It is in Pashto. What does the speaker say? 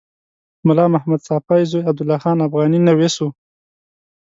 ملا محمد ساپي زوی عبدالله خان افغاني نویس و.